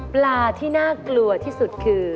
ปลาที่น่ากลัวที่สุดคือ